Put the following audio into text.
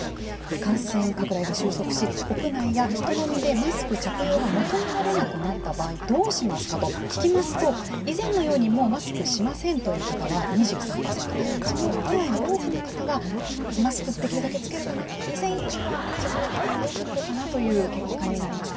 感染拡大が収束し屋内や人混みでマスク着用が求められなくなった場合どうしますかと聞きますと以前のようにもうマスクしませんという方は２３％それ以外の多くの方はマスクはできるだけつけるかな以前よりは着用機会が多くなるかなという結果になりました。